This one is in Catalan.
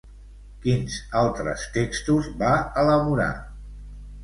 Quins altres textos va elaborar?